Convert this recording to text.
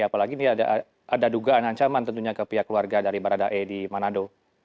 apalagi ini ada dugaan ancaman tentunya ke pihak keluarga dari baradae di manado